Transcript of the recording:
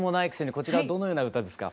こちらどのような歌ですか？